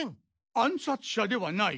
暗さつ者ではない？